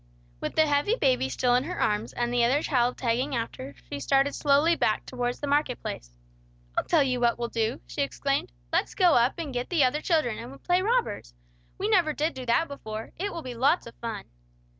With the heavy baby still in her arms, and the other child tagging after, she started slowly back towards the market place. "I'll tell you what we'll do," she exclaimed. "Let's go up and get the other children, and play robbers. We never did do that before. It will be lots of fun."